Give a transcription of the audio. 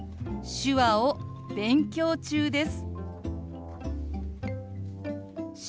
「手話を勉強中です」。